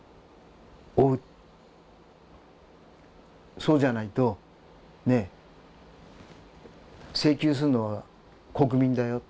そうじゃないとねえ請求するのは国民だよ